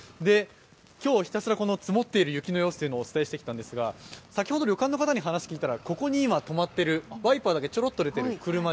今日、ひたすら積もっている雪の様子をお伝えしたんですが先ほど旅館の方に話を聞いたらここに今止まっているワイパーだけちょろっと出ている車